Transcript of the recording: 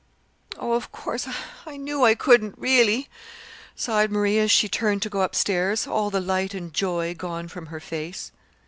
"Oh, of course, I knew I couldn't really," sighed Marie, as she turned to go up stairs, all the light and joy gone from her face.